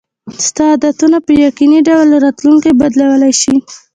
ستا عادتونه په یقیني ډول راتلونکی بدلولی شي.